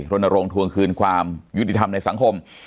รณรงค์ทวงคืนความยุติธรรมในสังคม